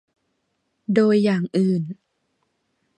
โดยอย่างอื่น